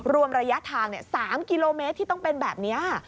รวมระยะทาง๓กิโลเมตรที่ต้องเป็นแบบนี้